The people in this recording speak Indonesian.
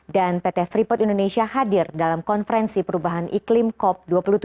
dan pt freeport indonesia hadir dalam konferensi perubahan iklim cop dua puluh tujuh